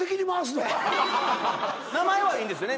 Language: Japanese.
名前はいいんですよね？